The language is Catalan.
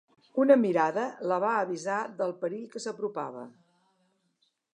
Una mirada la va avisar del perill que s'apropava.